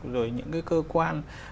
rồi những cái cơ quan